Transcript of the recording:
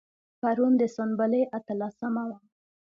پرون د سنبلې اتلسمه وه.